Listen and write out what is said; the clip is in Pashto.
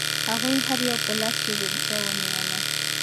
هغوی هر یو په لاس کې بیلچه ونیوله.